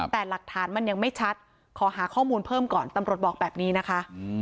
แต่หลักฐานมันยังไม่ชัดขอหาข้อมูลเพิ่มก่อนตำรวจบอกแบบนี้นะคะ